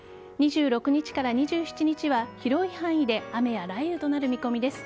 ２６日から２７日は広い範囲で雨や雷雨となる見込みです。